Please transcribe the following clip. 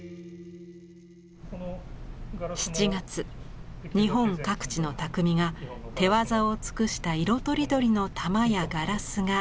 ７月日本各地の匠が手わざを尽くした色とりどりの玉やガラスが勢ぞろい。